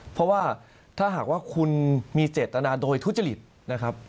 เพราะว่าถ้าหากว่าคุณมีเจตนาโดยทุจริตนะครับ